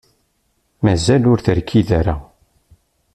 Mazal ur terkid ara.